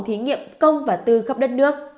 thí nghiệm công và tư khắp đất nước